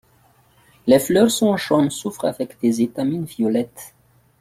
Les fleurs sont jaune soufre avec des étamines violettes.